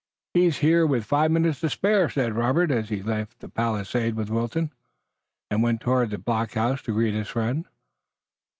"He is here with five minutes to spare!" said Robert as he left the palisade with Wilton, and went toward the blockhouse to greet his friend.